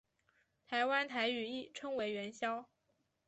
台湾台语称为元宵。